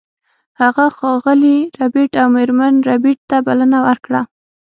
هغه ښاغلي ربیټ او میرمن ربیټ ته بلنه ورکړه